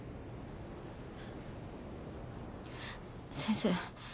先生。